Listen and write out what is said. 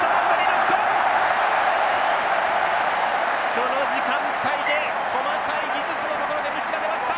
この時間帯で細かい技術のところでミスが出ました。